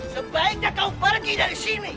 sebaiknya kau pergi dari sini